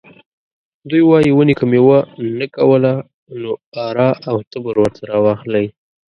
دوی وايي ونې که میوه نه کوله نو اره او تبر ورته راواخلئ.